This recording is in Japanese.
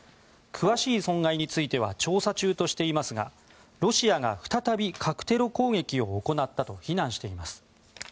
詳しい損害については調査中としていますがロシアが再び核テロ攻撃を行ったと非難しています。